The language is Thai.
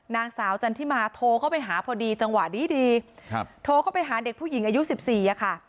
นางสาวจันทิมาโทรเข้าไปหาพอดีจังหวะดีโทรเข้าไปหาเด็กผู้หญิงอายุ๑๔ค่ะ